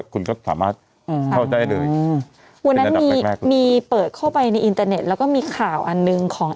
คุณก็สามารถเจ้าใจเลยมีเปิดเข้าไปในอินเตอร์เน็ตแล้วก็มีข่าวอันหนึ่งของ